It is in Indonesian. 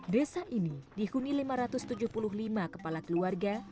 desa ini dihuni lima ratus tujuh puluh lima kepala keluarga